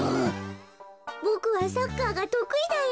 「ボクはサッカーが得意だよ」。